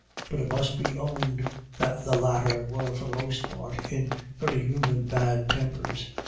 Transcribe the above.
But it must be owned that the latter were for the most part in very human bad tempers.